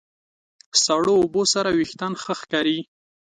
سړو اوبو سره وېښتيان ښه ښکاري.